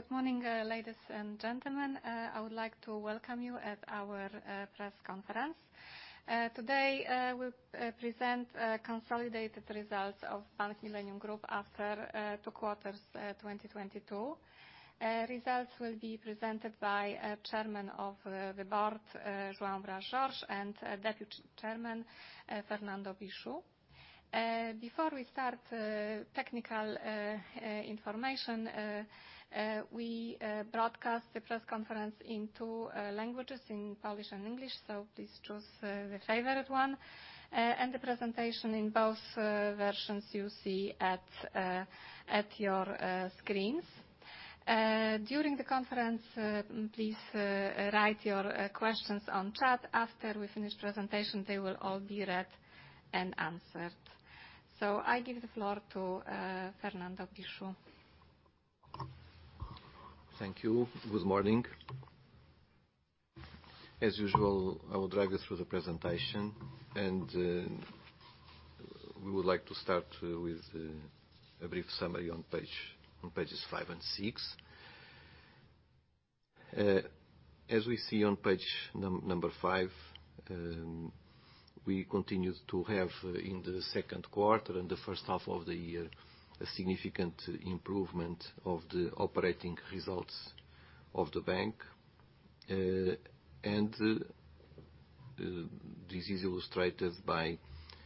Good morning, ladies and gentlemen. I would like to welcome you at our press conference. Today, we'll present consolidated results of Bank Millennium Group after two quarters, 2022. Results will be presented by our Chairman of the Board, Joao Bras Jorge, and Deputy Chairman, Fernando Bicho. Before we start, technical information, we broadcast the press conference in two languages, in Polish and English, so please choose the favored one. And the presentation in both versions you see at your screens. During the conference, please write your questions on chat. After we finish presentation, they will all be read and answered. I give the floor to Fernando Bicho. Thank you. Good morning. As usual, I will drive you through the presentation, and we would like to start with a brief summary on pages five and six. As we see on page number five, we continue to have, in the second quarter and the first half of the year, a significant improvement of the operating results of the bank. This is illustrated by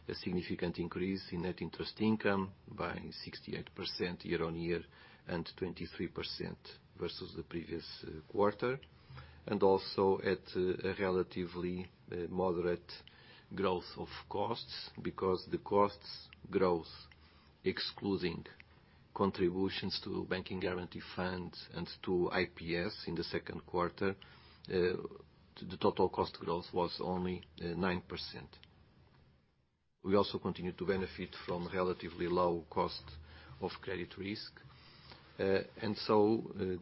a significant increase in net interest income by 68% year-on-year, and 23% versus the previous quarter. Also with a relatively moderate growth of costs because the costs growth, excluding contributions to Bank Guarantee Fund and to IPS in the second quarter, the total cost growth was only 9%. We also continue to benefit from relatively low cost of credit risk.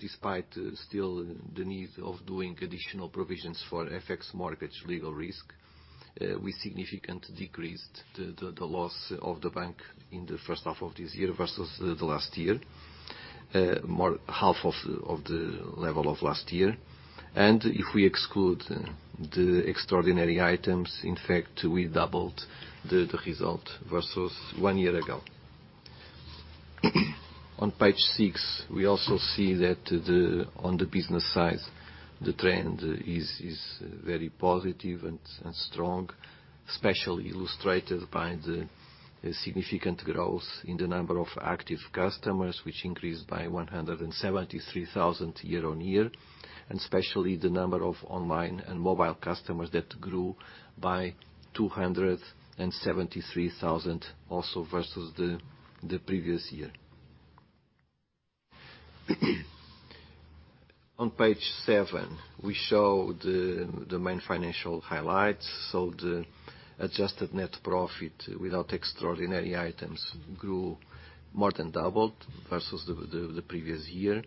Despite still the need of doing additional provisions for FX mortgage legal risk, we significantly decreased the loss of the bank in the first half of this year versus the last year. More than half of the level of last year. If we exclude the extraordinary items, in fact, we doubled the result versus one year ago. On page six, we also see that on the business side, the trend is very positive and strong, especially illustrated by the significant growth in the number of active customers, which increased by 173,000 year-on-year, and especially the number of online and mobile customers that grew by 273,000 also versus the previous year. On page seven, we show the main financial highlights. The adjusted net profit without extraordinary items grew more than doubled versus the previous year,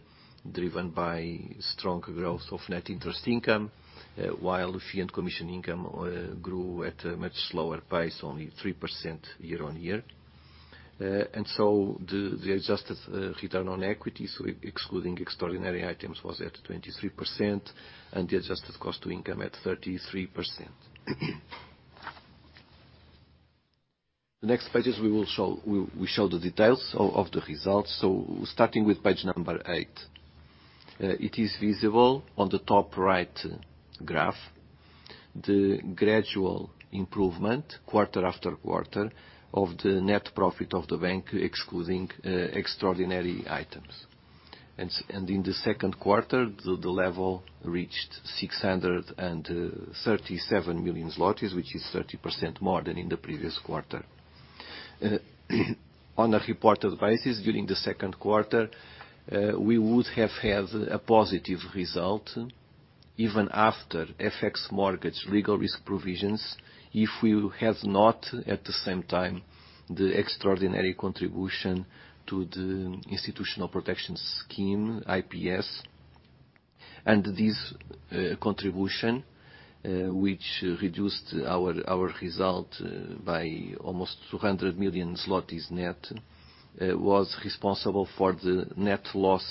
driven by strong growth of net interest income, while fee and commission income grew at a much slower pace, only 3% year-on-year. The adjusted return on equity, so excluding extraordinary items, was at 23%, and the adjusted cost to income at 33%. The next pages we will show, we show the details of the results. Starting with page number eight. It is visible on the top right graph, the gradual improvement quarter after quarter of the net profit of the bank, excluding extraordinary items. In the second quarter, the level reached 637 million zlotys, which is 30% more than in the previous quarter. On a reported basis, during the second quarter, we would have had a positive result even after FX mortgage legal risk provisions, if we had not at the same time the extraordinary contribution to the Institutional Protection Scheme, IPS. This contribution, which reduced our result by almost 200 million zlotys net, was responsible for the net loss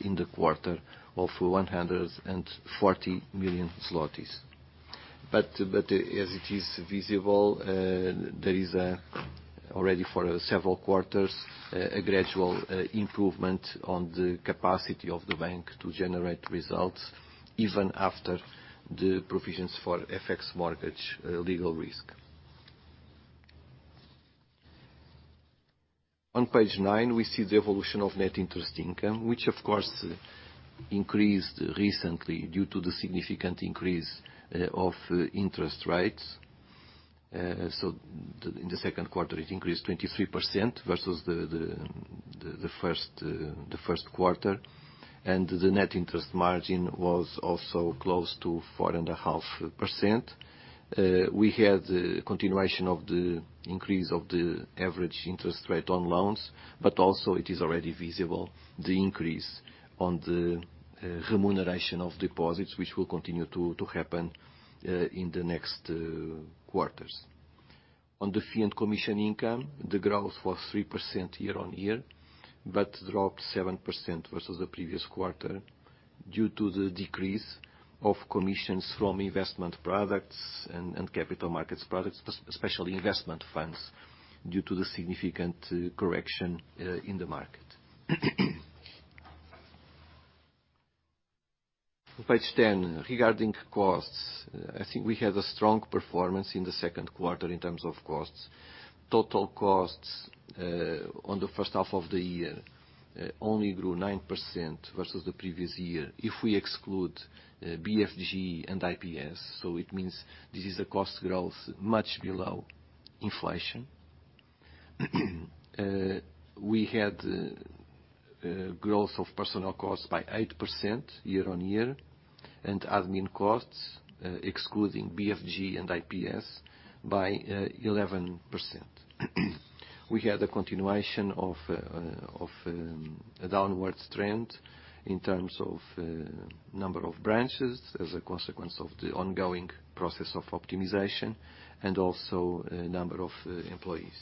in the quarter of 140 million zlotys. As it is visible, there is already for several quarters a gradual improvement on the capacity of the bank to generate results even after the provisions for FX mortgage legal risk. On page nine, we see the evolution of net interest income, which of course increased recently due to the significant increase of interest rates. In the second quarter, it increased 23% versus the first quarter, and the net interest margin was also close to 4.5%. We had a continuation of the increase of the average interest rate on loans, but also it is already visible the increase on the remuneration of deposits, which will continue to happen in the next quarters. On the fee and commission income, the growth was 3% year-on-year, but dropped 7% versus the previous quarter due to the decrease of commissions from investment products and capital markets products, especially investment funds, due to the significant correction in the market. Page 10, regarding costs. I think we had a strong performance in the second quarter in terms of costs. Total costs on the first half of the year only grew 9% versus the previous year. If we exclude BFG and IPS, it means this is a cost growth much below inflation. We had growth of personnel costs by 8% year-on-year, and admin costs excluding BFG and IPS by 11%. We had a continuation of a downward trend in terms of number of branches as a consequence of the ongoing process of optimization, and also number of employees.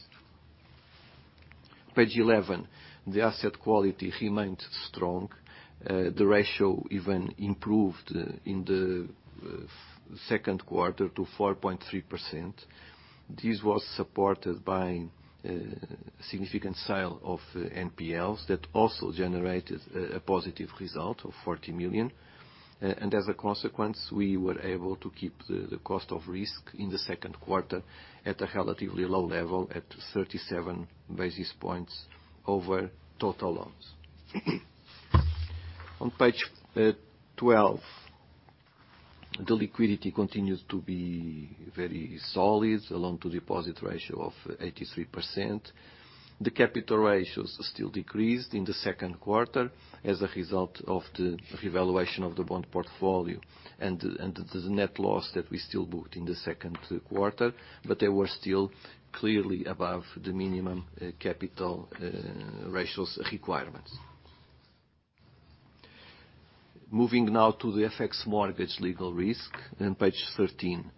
Page 11. The asset quality remained strong. The ratio even improved in the second quarter to 4.3%. This was supported by significant sale of NPLs that also generated a positive result of 40 million. As a consequence, we were able to keep the cost of risk in the second quarter at a relatively low level at 37 basis points over total loans. On page 12, the liquidity continues to be very solid, a loan to deposit ratio of 83%. The capital ratios still decreased in the second quarter as a result of the revaluation of the bond portfolio and the net loss that we still booked in the second quarter, but they were still clearly above the minimum capital ratios requirements. Moving now to the FX mortgage legal risk on page 13.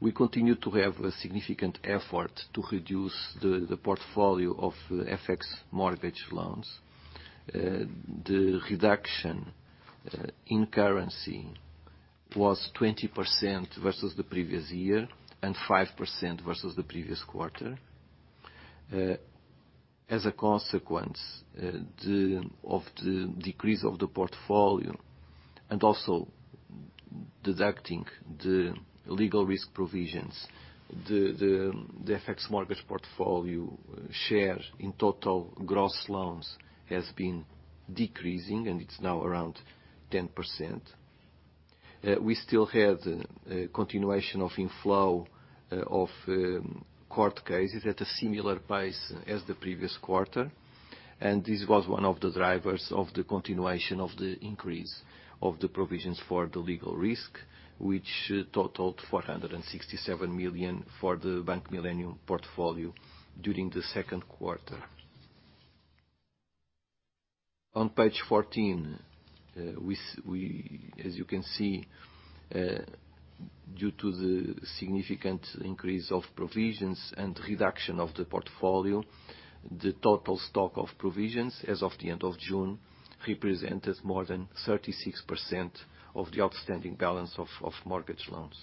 We continue to have a significant effort to reduce the portfolio of FX mortgage loans. The reduction in currency was 20% versus the previous year and 5% versus the previous quarter. As a consequence of the decrease of the portfolio and also deducting the legal risk provisions, the FX mortgage portfolio share in total gross loans has been decreasing, and it's now around 10%. We still have continuation of inflow of court cases at a similar pace as the previous quarter. This was one of the drivers of the continuation of the increase of the provisions for the legal risk, which totaled 467 million for the Bank Millennium portfolio during the second quarter. On page 14, as you can see, due to the significant increase of provisions and reduction of the portfolio, the total stock of provisions as of the end of June represented more than 36% of the outstanding balance of mortgage loans.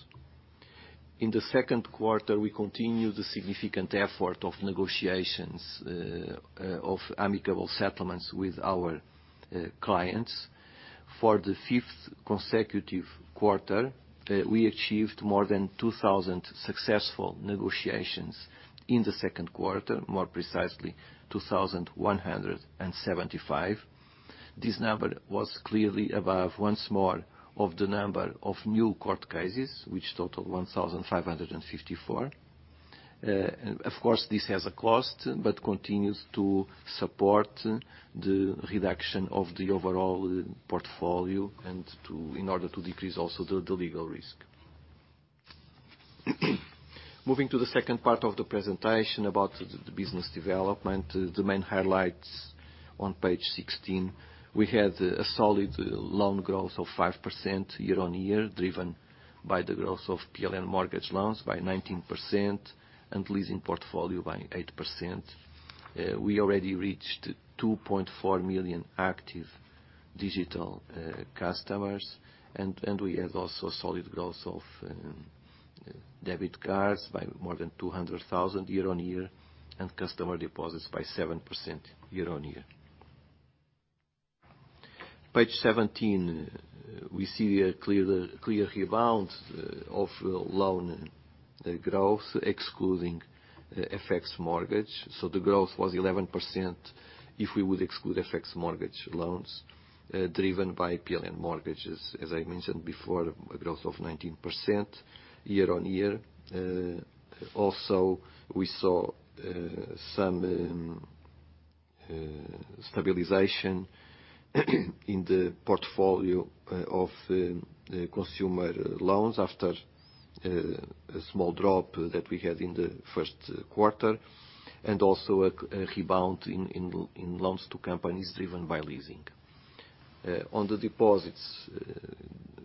In the second quarter, we continued the significant effort of negotiations of amicable settlements with our clients. For the fifth consecutive quarter, we achieved more than 2,000 successful negotiations in the second quarter, more precisely 2,175. This number was clearly above once more of the number of new court cases, which totaled 1,554. Of course, this has a cost, but continues to support the reduction of the overall portfolio and in order to decrease also the legal risk. Moving to the second part of the presentation about the business development, the main highlights on page 16. We had a solid loan growth of 5% year-on-year, driven by the growth of PLN mortgage loans by 19% and leasing portfolio by 8%. We already reached 2.4 million active digital customers and we had also solid growth of debit cards by more than 200,000 year-on-year, and customer deposits by 7% year-on-year. Page 17, we see a clear rebound of loan growth excluding FX mortgage. The growth was 11% if we would exclude FX mortgage loans, driven by PLN mortgages, as I mentioned before, a growth of 19% year-on-year. Also we saw some stabilization in the portfolio of the consumer loans after a small drop that we had in the first quarter, and also a rebound in loans to companies driven by leasing. On the deposits,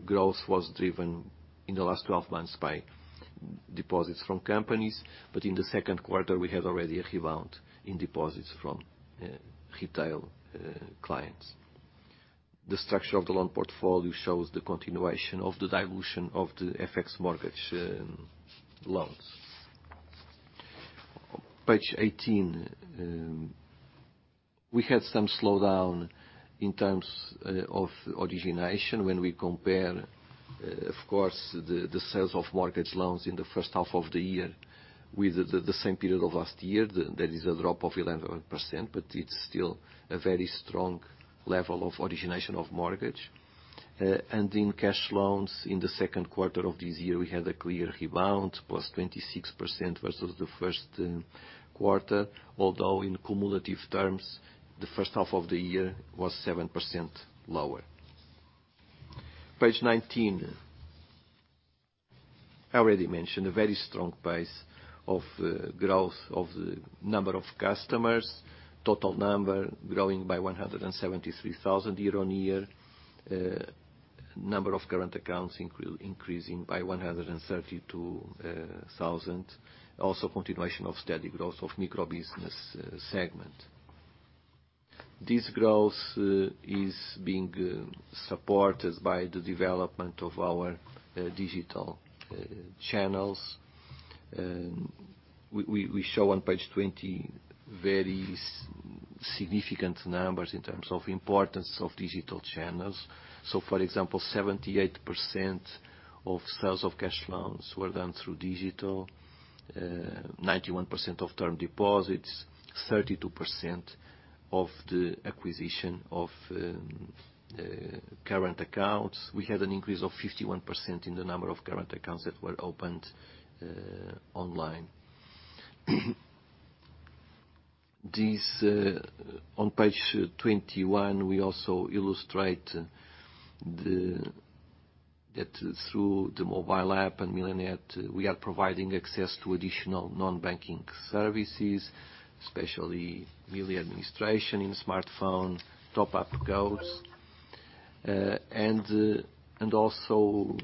growth was driven in the last 12 months by deposits from companies, but in the second quarter, we have already a rebound in deposits from retail clients. The structure of the loan portfolio shows the continuation of the dilution of the FX mortgage loans. Page 18, we had some slowdown in terms of origination when we compare, of course, the sales of mortgage loans in the first half of the year with the same period of last year. There is a drop of 11%, but it's still a very strong level of origination of mortgage. In cash loans in the second quarter of this year, we had a clear rebound, +26% versus the first quarter, although in cumulative terms, the first half of the year was 7% lower. Page 19. I already mentioned a very strong pace of growth of the number of customers. Total number growing by 173,000 year-on-year. Number of current accounts increasing by 132,000. Also, continuation of steady growth of microbusiness segment. This growth is being supported by the development of our digital channels. We show on page 20 very significant numbers in terms of importance of digital channels. For example, 78% of sales of cash loans were done through digital. 91% of term deposits. 32% of the acquisition of current accounts. We had an increase of 51% in the number of current accounts that were opened online. On page 21, we also illustrate that through the mobile app and Millenet, we are providing access to additional non-banking services, especially mobile application on smartphone top-up goals. And also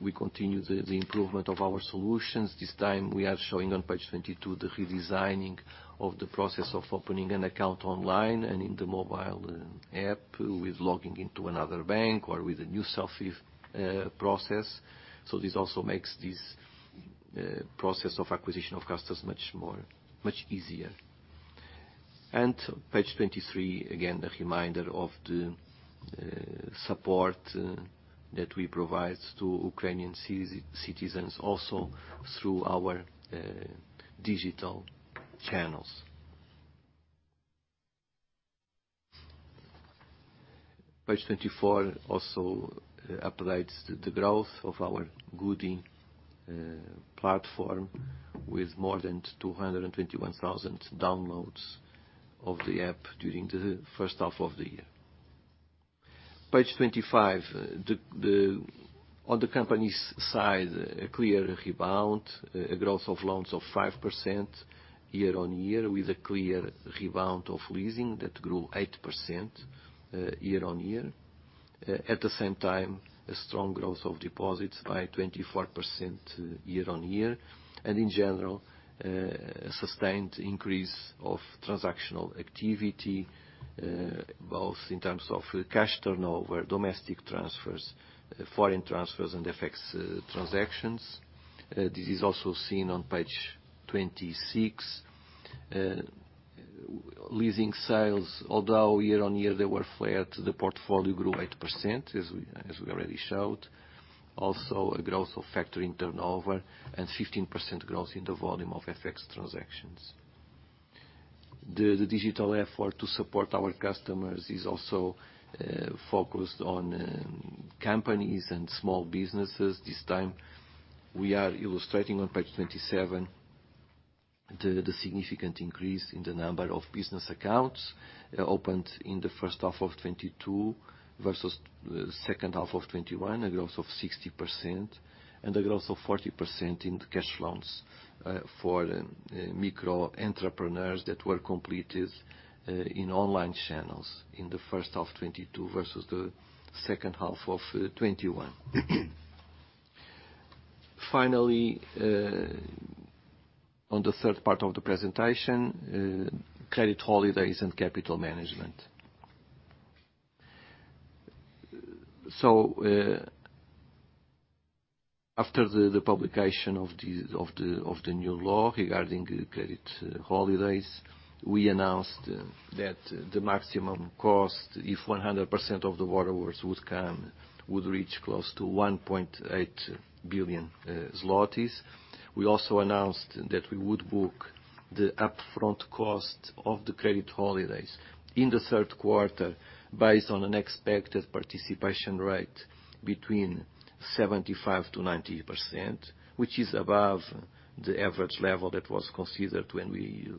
we continue the improvement of our solutions. This time we are showing on page 22 the redesigning of the process of opening an account online and in the mobile app with logging into another bank or with a new selfie process. This also makes this process of acquisition of customers much easier. Page 23, again, a reminder of the support that we provide to Ukrainian citizens also through our digital channels. Page 24 also updates the growth of our Goodie platform with more than 221,000 downloads of the app during the first half of the year. Page 25. Then, on the company's side, a clear rebound, a growth of loans of 5% year-on-year with a clear rebound of leasing that grew 8% year-on-year. At the same time, a strong growth of deposits by 24% year-on-year. In general, a sustained increase of transactional activity both in terms of cash turnover, domestic transfers, foreign transfers, and FX transactions. This is also seen on page 26. Leasing sales, although year-on-year they were flat, the portfolio grew 8% as we already showed. Also, a growth of factoring turnover and 15% growth in the volume of FX transactions. The digital effort to support our customers is also focused on companies and small businesses. This time, we are illustrating on page 27 the significant increase in the number of business accounts opened in the first half of 2022 versus the second half of 2021, a growth of 60%, and a growth of 40% in the cash loans for micro entrepreneurs that were completed in online channels in the first half of 2022 versus the second half of 2021. Finally, on the third part of the presentation, credit holidays and capital management. After the publication of the new law regarding credit holidays, we announced that the maximum cost, if 100% of the borrowers would come, would reach close to 1.8 billion zlotys. We also announced that we would book the upfront cost of the credit holidays in the third quarter based on an expected participation rate between 75%-90%, which is above the average level that was considered when we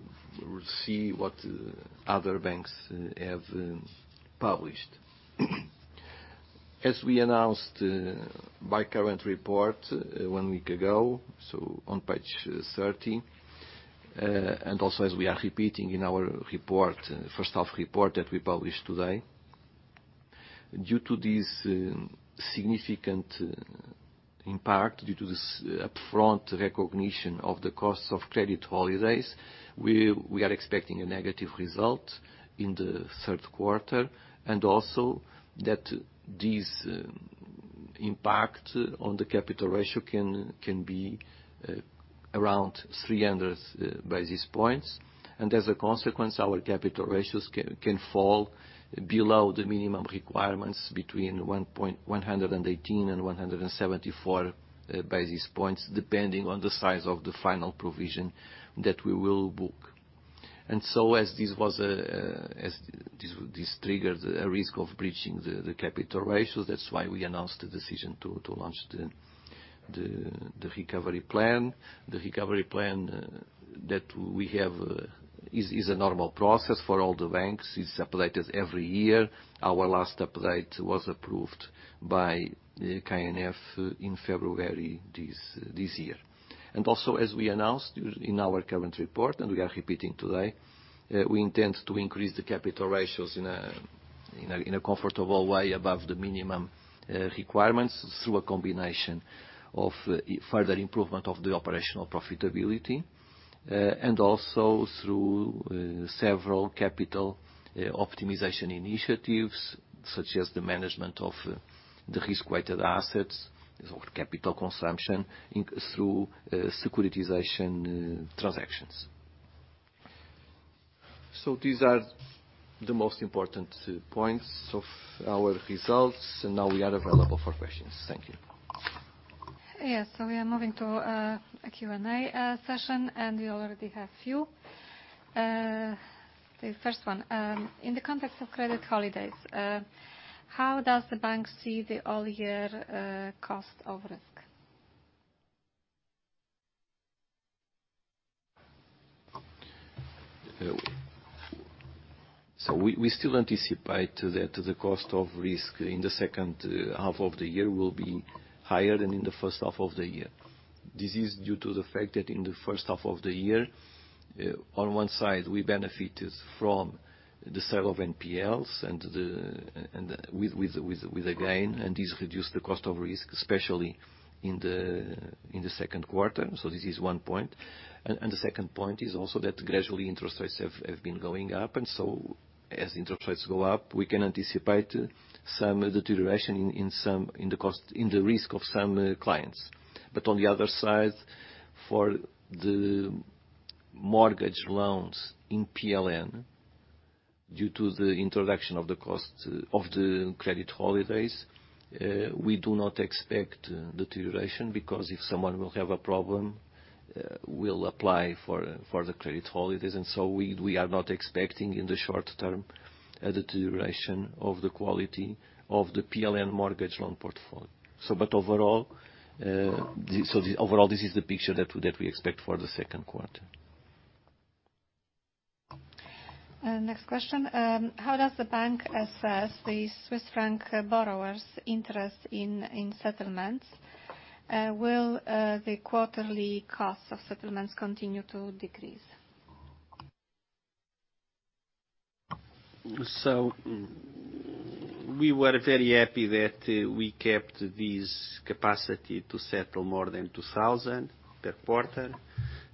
see what other banks have published. As we announced by current report one week ago, on page 30, and also as we are repeating in our report, first half report that we published today. Due to this significant impact, due to this upfront recognition of the costs of credit holidays, we are expecting a negative result in the third quarter. Also that this impact on the capital ratio can be around 300 basis points. As a consequence, our capital ratios can fall below the minimum requirements between 118 and 174 basis points depending on the size of the final provision that we will book. As this triggered a risk of breaching the capital ratios, that's why we announced the decision to launch the recovery plan. The recovery plan that we have is a normal process for all the banks. It's updated every year. Our last update was approved by KNF in February this year. Also, as we announced in our current report, and we are repeating today, we intend to increase the capital ratios in a comfortable way above the minimum requirements through a combination of further improvement of the operational profitability. Also through several capital optimization initiatives, such as the management of the risk-weighted assets or capital consumption through securitization transactions. These are the most important points of our results. Now we are available for questions. Thank you. Yes. We are moving to a Q&A session, and we already have few. The first one, in the context of credit holidays, how does the bank see the all year cost of risk? We still anticipate that the cost of risk in the second half of the year will be higher than in the first half of the year. This is due to the fact that in the first half of the year, on one side, we benefited from the sale of NPLs with a gain. This reduced the cost of risk, especially in the second quarter. This is one point. The second point is also that gradually interest rates have been going up. As interest rates go up, we can anticipate some deterioration in the cost of risk of some clients. On the other side, for the mortgage loans in PLN, due to the introduction of the cost of the credit holidays, we do not expect deterioration because if someone will have a problem, we'll apply for the credit holidays. We are not expecting in the short term a deterioration of the quality of the PLN mortgage loan portfolio. Overall, this is the picture that we expect for the second quarter. Next question. How does the bank assess the Swiss franc borrowers' interest in settlements? Will the quarterly cost of settlements continue to decrease? We were very happy that we kept this capacity to settle more than 2,000 per quarter.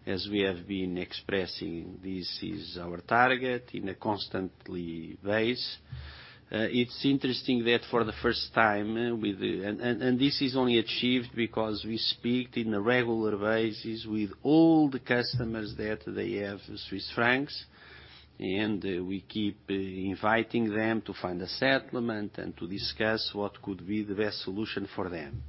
As we have been expressing, this is our target on a constant basis. It's interesting that for the first time we are... This is only achieved because we speak on a regular basis with all the customers that they have Swiss francs, and we keep inviting them to find a settlement and to discuss what could be the best solution for them.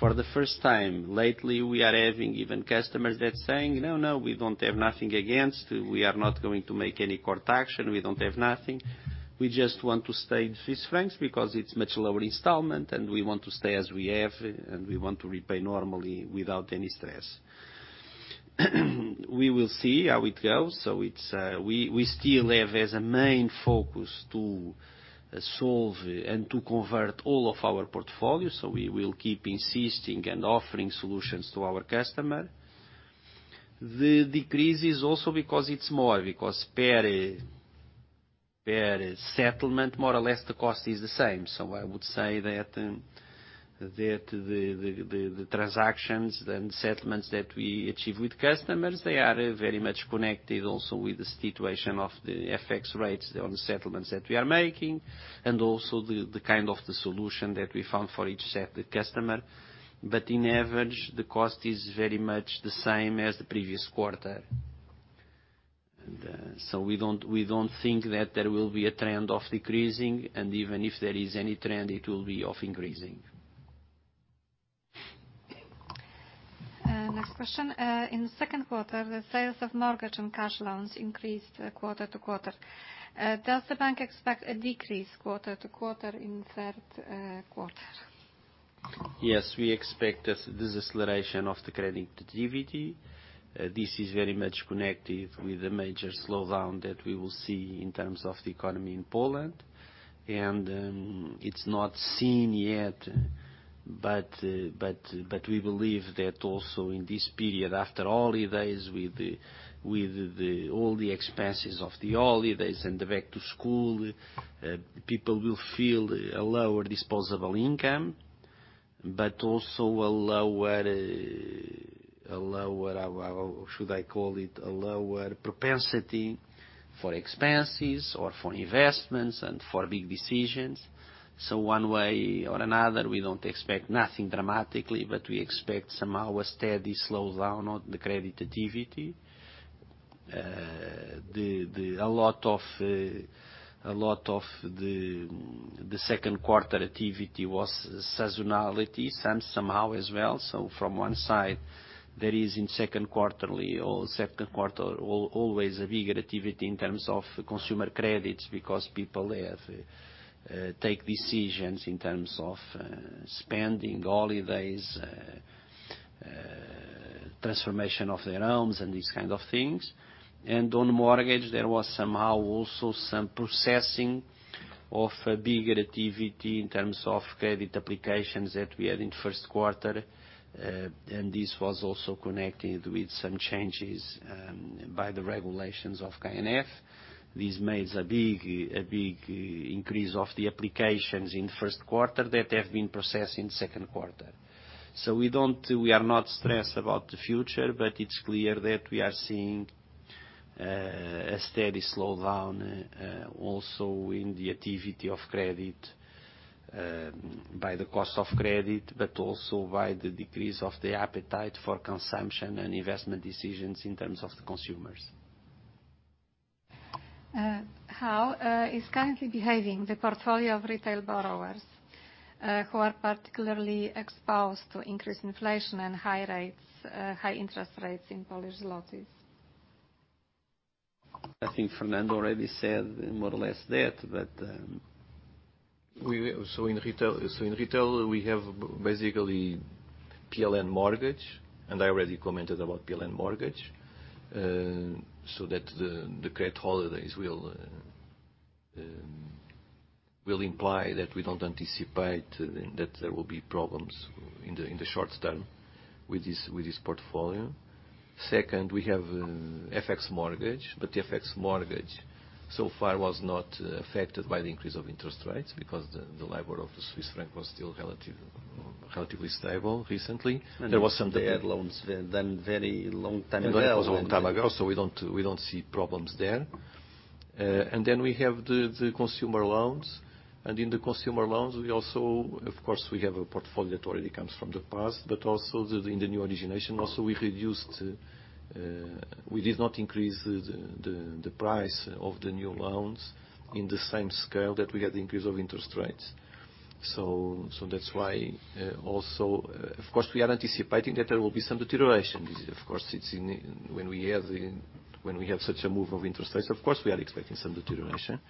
For the first time lately, we are having even customers that are saying, "No, no, we don't have nothing against. We are not going to make any court action. We don't have nothing. We just want to stay in Swiss francs because it's much lower installment, and we want to stay as we have, and we want to repay normally without any stress." We will see how it goes. It's. We still have as a main focus to solve and to convert all of our portfolio. We will keep insisting and offering solutions to our customers. The decrease is also because it's more, because per settlement, more or less the cost is the same. I would say that the transactions and settlements that we achieve with customers, they are very much connected also with the situation of the FX rates on the settlements that we are making and also the kind of solution that we found for each of the customers. In average, the cost is very much the same as the previous quarter. We don't think that there will be a trend of decreasing, and even if there is any trend, it will be of increasing. Next question. In second quarter, the sales of mortgage and cash loans increased quarter-over-quarter. Does the bank expect a decrease quarter-over-quarter in third quarter? Yes, we expect that this acceleration of the credit activity, this is very much connected with the major slowdown that we will see in terms of the economy in Poland. It's not seen yet, but we believe that also in this period, after holidays, with all the expenses of the holidays and the back to school, people will feel a lower disposable income, but also a lower, how should I call it? A lower propensity for expenses or for investments and for big decisions. One way or another, we don't expect nothing dramatically, but we expect somehow a steady slowdown on the credit activity. A lot of the second quarter activity was some seasonality somehow as well. From one side, there is in second quarter always a bigger activity in terms of consumer credits because people have take decisions in terms of spending holidays, transformation of their homes and these kind of things. On mortgage, there was somehow also some processing of a bigger activity in terms of credit applications that we had in first quarter. This was also connected with some changes by the regulations of KNF. This makes a big increase of the applications in first quarter that have been processed in second quarter. We are not stressed about the future, but it's clear that we are seeing a steady slowdown also in the activity of credit by the cost of credit, but also by the decrease of the appetite for consumption and investment decisions in terms of the consumers. How is currently behaving the portfolio of retail borrowers, who are particularly exposed to increased inflation and high rates, high interest rates in Polish zlotys? I think Fernando already said more or less that, but. In retail, we have basically PLN mortgage, and I already commented about PLN mortgage, so that the credit holidays will imply that we don't anticipate that there will be problems in the short term with this portfolio. Second, we have FX mortgage, but the FX mortgage so far was not affected by the increase of interest rates because the level of the Swiss franc was still relatively stable recently. They had loans then, from a very long time ago. It was a long time ago, so we don't see problems there. Then we have the consumer loans. In the consumer loans, we also, of course, have a portfolio that already comes from the past, but also in the new origination we reduced. We did not increase the price of the new loans in the same scale that we had the increase of interest rates. That's why, also, of course, we are anticipating that there will be some deterioration. When we have such a move of interest rates, of course, we are expecting some deterioration.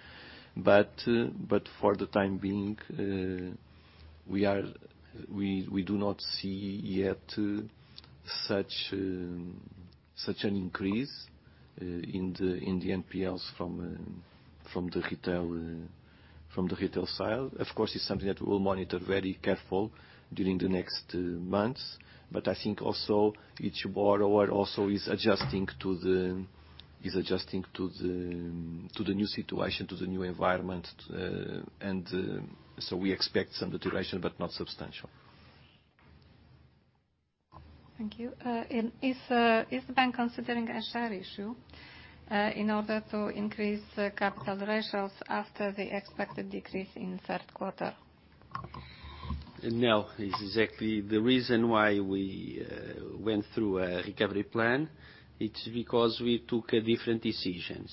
For the time being, we do not see yet such an increase in the NPLs from the retail side. Of course, it's something that we will monitor very careful during the next months. I think also each borrower also is adjusting to the new situation, to the new environment. We expect some deterioration but not substantial. Thank you. Is the bank considering a share issue in order to increase capital ratios after the expected decrease in third quarter? No. It's exactly the reason why we went through a recovery plan. It's because we took a different decision.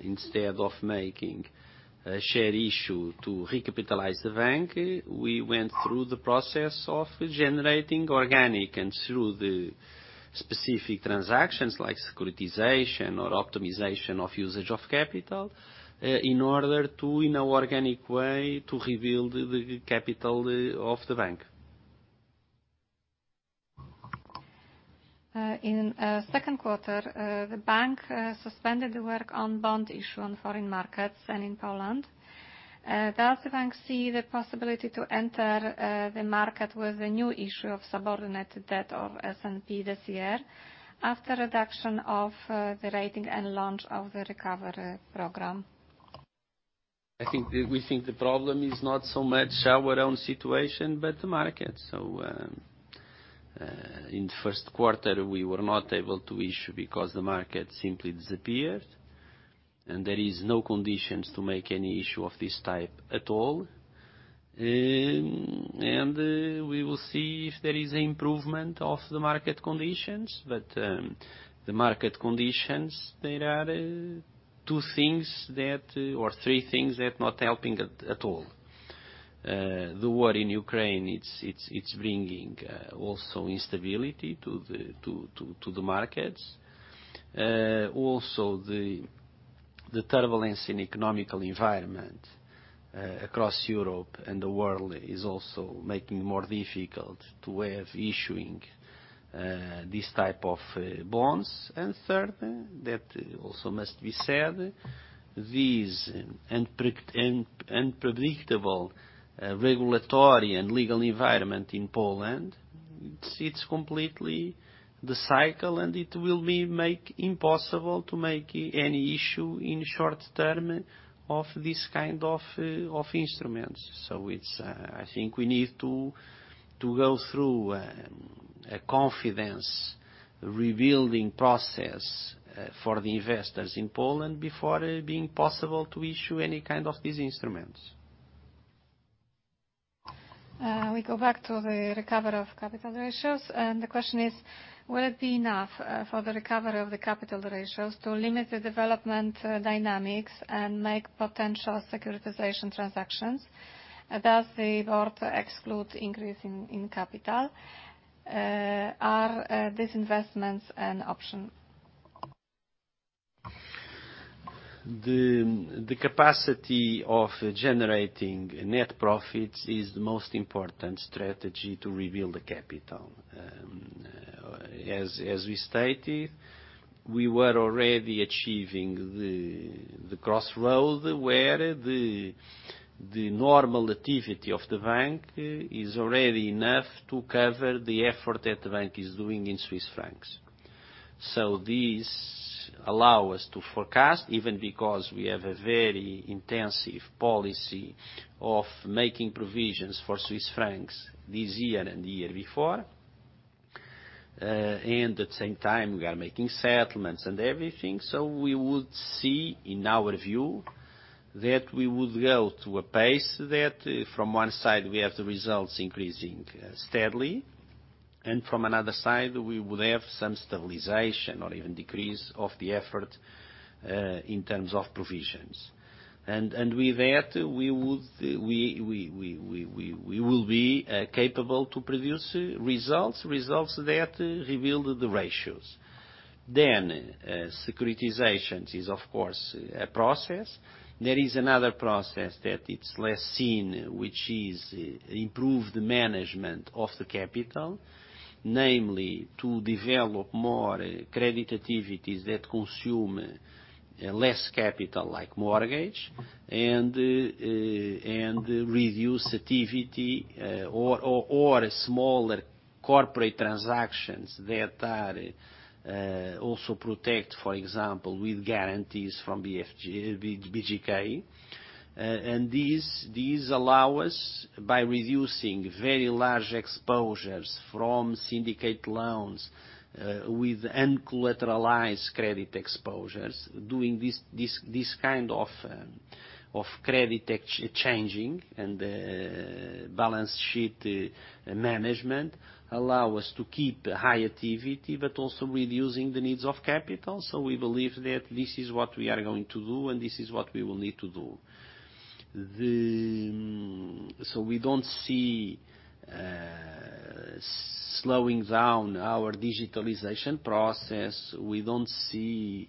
Instead of making a share issue to recapitalize the bank, we went through the process of generating organically and through the specific transactions like securitization or optimization of usage of capital, in order to, in an organic way, to rebuild the capital of the bank. In second quarter, the bank suspended the work on bond issue on foreign markets and in Poland. Does the bank see the possibility to enter the market with a new issue of subordinated debt of MREL this year after reduction of the rating and launch of the recovery program? We think the problem is not so much our own situation, but the market. In the first quarter, we were not able to issue because the market simply disappeared, and there is no conditions to make any issue of this type at all. We will see if there is improvement of the market conditions. The market conditions, there are two things that, or three things that not helping at all. The war in Ukraine, it's bringing also instability to the markets. Also the turbulence in economic environment, across Europe and the world is also making it more difficult to issue this type of bonds. Third, that also must be said, this unpredictable regulatory and legal environment in Poland, it's completely cyclical and it will make impossible to make any issue in short term of this kind of instruments. I think we need to go through a confidence rebuilding process for the investors in Poland before it being possible to issue any kind of these instruments. We go back to the recovery of capital ratios, and the question is, will it be enough for the recovery of the capital ratios to limit the development dynamics and make potential securitization transactions? Does the board exclude increase in capital? Are disinvestments an option? The capacity of generating net profits is the most important strategy to rebuild the capital. As we stated, we were already achieving the crossroad where the normal activity of the bank is already enough to cover the effort that the bank is doing in Swiss francs. This allow us to forecast, even because we have a very intensive policy of making provisions for Swiss francs this year and the year before. At the same time, we are making settlements and everything. We would see, in our view, that we would go to a pace that from one side we have the results increasing steadily, and from another side, we would have some stabilization or even decrease of the effort in terms of provisions. with that, we will be capable to produce results that rebuild the ratios. Securitization is, of course, a process. There is another process that it's less seen, which is improve the management of the capital, namely to develop more credit activities that consume less capital like mortgage and reduce activity or smaller corporate transactions that are also protect, for example, with guarantees from BGK. These allow us by reducing very large exposures from syndicate loans with uncollateralized credit exposures, doing this kind of credit exchanging and balance sheet management allow us to keep a high activity, but also reducing the needs of capital. We believe that this is what we are going to do, and this is what we will need to do. We don't see slowing down our digitalization process. We don't see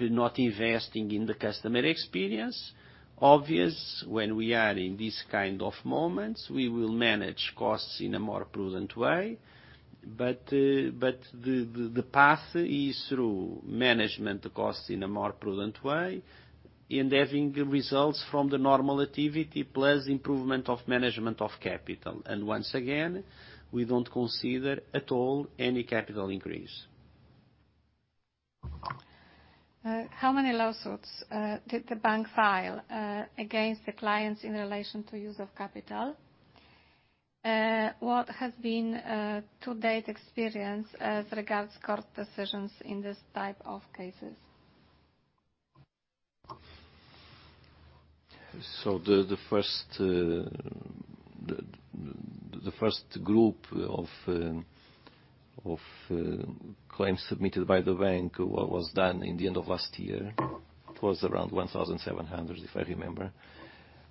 not investing in the customer experience. Obviously, when we are in this kind of moments, we will manage costs in a more prudent way. The path is through managing costs in a more prudent way and having results from the normal activity plus improvement of management of capital. Once again, we don't consider at all any capital increase. How many lawsuits did the bank file against the clients in relation to use of capital? What has been to date experience as regards court decisions in this type of cases? The first group of claims submitted by the bank was done in the end of last year. It was around 1,700, if I remember.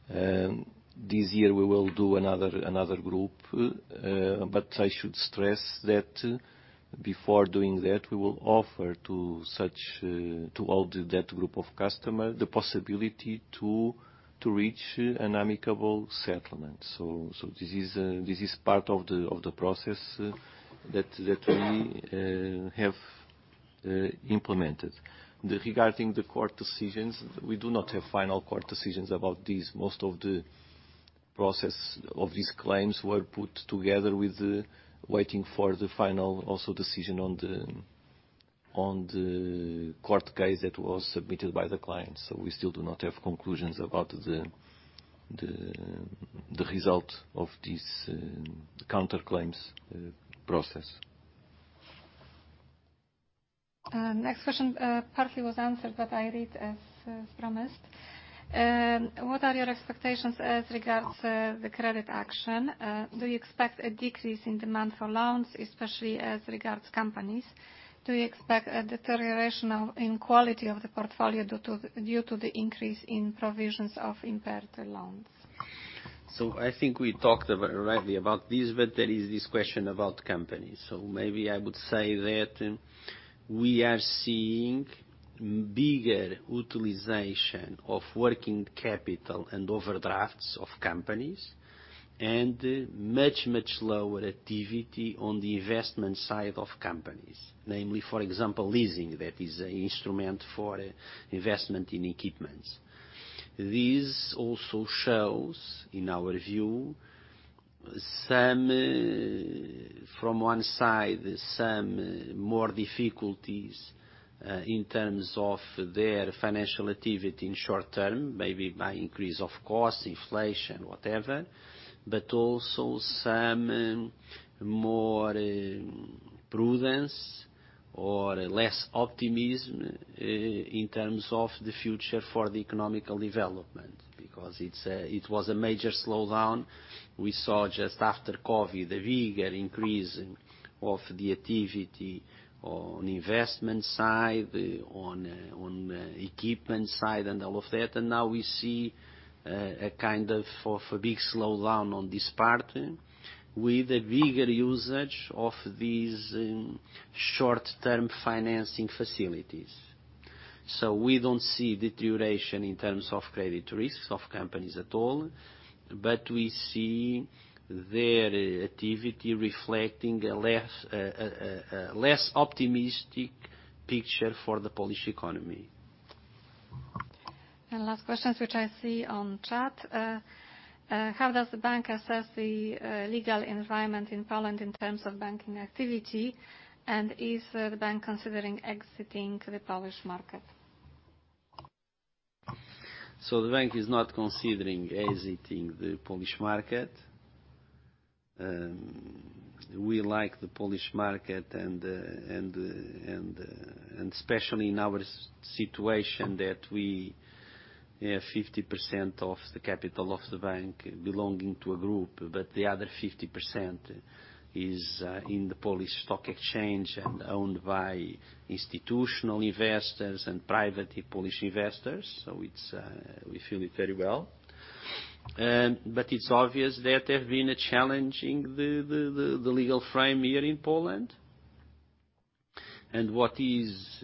This year we will do another group. But I should stress that before doing that, we will offer to all that group of customer the possibility to reach an amicable settlement. This is part of the process that we have implemented. Regarding the court decisions, we do not have final court decisions about this. Most of the process of these claims were put together while waiting for the final also decision on the court case that was submitted by the client. We still do not have conclusions about the result of this counterclaims process. Next question, partly was answered, but I read as promised. What are your expectations as regards the credit action? Do you expect a decrease in demand for loans, especially as regards companies? Do you expect a deterioration in quality of the portfolio due to the increase in provisions of impaired loans? I think we talked about, rightly about this, but there is this question about companies. Maybe I would say that we are seeing bigger utilization of working capital and overdrafts of companies, and much, much lower activity on the investment side of companies. Namely, for example, leasing, that is an instrument for investment in equipments. This also shows, in our view, some, from one side, some more difficulties in terms of their financial activity in short term, maybe by increase of cost, inflation, whatever. But also some more prudence or less optimism in terms of the future for the economical development, because it was a major slowdown. We saw just after COVID the bigger increase of the activity on investment side, on equipment side, and all of that. Now we see kind of a big slowdown on this part with a bigger usage of these short-term financing facilities. We don't see deterioration in terms of credit risks of companies at all, but we see their activity reflecting a less optimistic picture for the Polish economy. Last question, which I see on chat, how does the bank assess the legal environment in Poland in terms of banking activity? Is the bank considering exiting the Polish market? The bank is not considering exiting the Polish market. We like the Polish market and especially in our situation that we 50% of the capital of the bank belonging to a group, but the other 50% is in the Polish stock exchange and owned by institutional investors and private Polish investors. It's we feel it very well. But it's obvious that have been challenging, the legal frame here in Poland. What is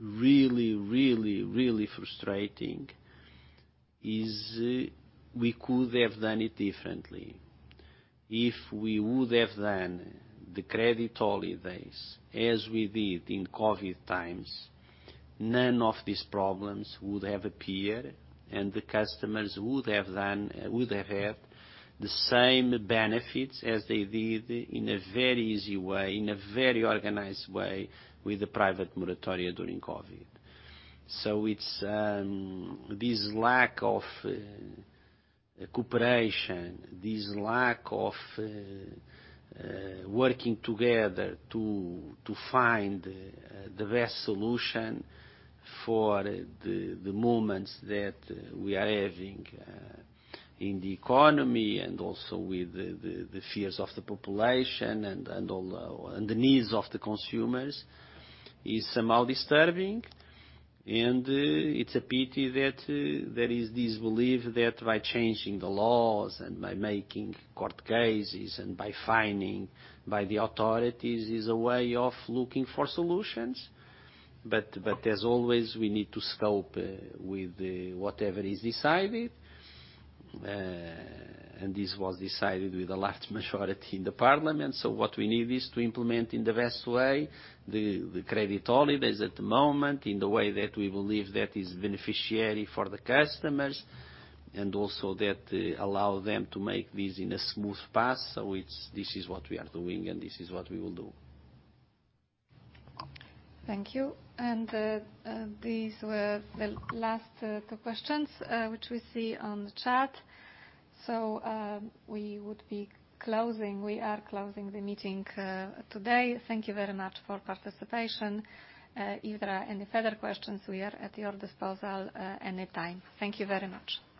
really frustrating is we could have done it differently. If we would have done the credit holidays, as we did in COVID times, none of these problems would have appeared, and the customers would have had the same benefits as they did in a very easy way, in a very organized way with the private moratoria during COVID. It's this lack of cooperation, this lack of working together to find the best solution for the moments that we are having in the economy and also with the fears of the population and the needs of the consumers is somehow disturbing. It's a pity that there is this belief that by changing the laws and by making court cases and by fining by the authorities is a way of looking for solutions. As always, we need to cope with whatever is decided. This was decided with a large majority in the parliament. What we need is to implement in the best way the credit holidays at the moment in the way that we believe that is beneficial for the customers, and also that allow them to make this in a smooth path. This is what we are doing, and this is what we will do. Thank you. These were the last two questions which we see on the chat. We would be closing. We are closing the meeting today. Thank you very much for participation. If there are any further questions, we are at your disposal anytime. Thank you very much.